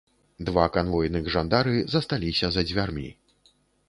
Два канвойных жандары засталіся за дзвярмі.